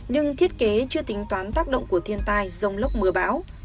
nhưng thiết kế chưa tính toán tác động của thiên tai dông lốc mưa bão